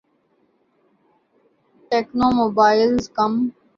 techno mobiles come